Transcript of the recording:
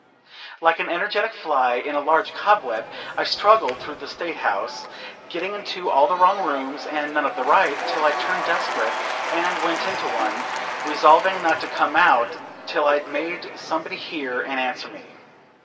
Like an energetic fly in a very large cobweb, I struggled through the State House, getting into all the wrong rooms and none of the right, till I turned desperate, and went into one, resolving not to come out till I'd made somebody hear and answer me.